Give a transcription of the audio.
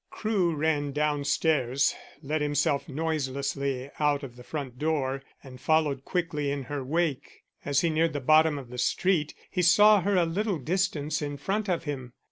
Crewe ran downstairs, let himself noiselessly out of the front door and followed quickly in her wake. As he neared the bottom of the street, he saw her a little distance in front of him.